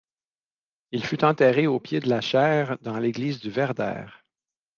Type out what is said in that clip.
Il fut enterré au pied de la chaire dans l’église du Werder.